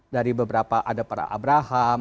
dari beberapa ada para abraham